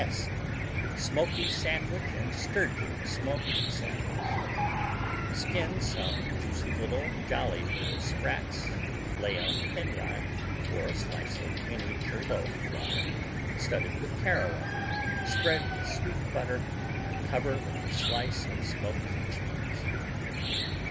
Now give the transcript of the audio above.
S Smoky Sandwich and Sturgeon smoked Sandwich Skin some juicy little, jolly little sprats, lay on thin rye, or a slice of miniature loaf rye studded with caraway, spread with sweet butter and cover with a slice of smoked cheese.